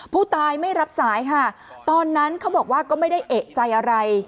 ผู้ตายไม่รับสายค่ะตอนนั้นเขาบอกว่าก็ไม่ได้เอกใจอะไร